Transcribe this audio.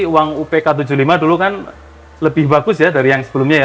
uang upk tujuh puluh lima dulu kan lebih bagus ya dari yang sebelumnya ya